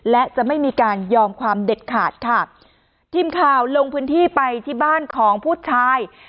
และจะไม่มีการยอมความเด็ดขาดค่ะทีมข่าวลงพื้นที่ไปที่บ้านของผู้ชาย